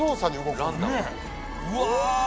うわ！